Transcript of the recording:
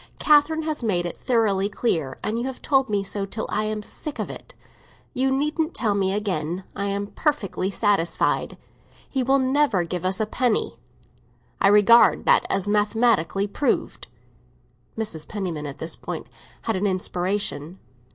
"Catherine has made it thoroughly clear, and you have told me so till I am sick of it. You needn't tell me again; I am perfectly satisfied. He will never give us a penny; I regard that as mathematically proved." Mrs. Penniman at this point had an inspiration.